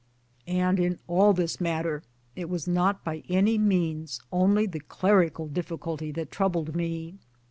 And in all this matter it was not by any means only the clerical difficulty that troubled me.